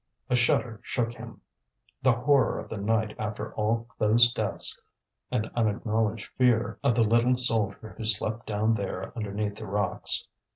A shudder shook him, the horror of the night after all those deaths, an unacknowledged fear of the little soldier who slept down there underneath the rocks.